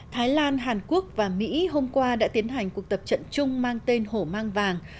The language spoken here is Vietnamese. thái lan hàn quốc và mỹ hôm qua đã tiến hành cuộc tập trận chung mang tên hổ mang vàng